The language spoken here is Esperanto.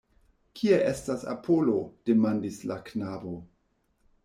Kie estas Apolo? demandis la knabo.